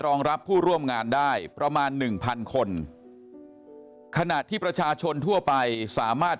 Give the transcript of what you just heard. รองรับผู้ร่วมงานได้ประมาณหนึ่งพันคนขณะที่ประชาชนทั่วไปสามารถ